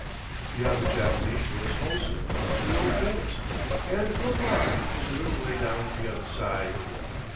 Beyond the Japanese was Holsten, the old chemist, and Leblanc was a little way down the other side.